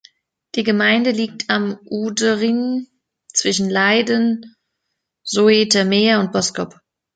Die Gemeinde liegt am Oude Rijn, zwischen Leiden, Zoetermeer und Boskoop.